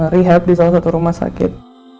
rehab di salah satu rumah sakit